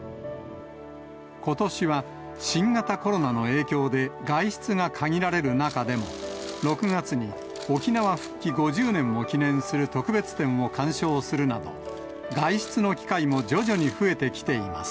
ことしは新型コロナの影響で外出が限られる中でも、６月に、沖縄復帰５０年を記念する特別展を鑑賞するなど、外出の機会も徐々に増えてきています。